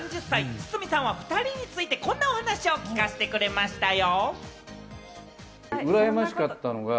堤さんは２人についてこんなお話を聞かせてくれましたよ。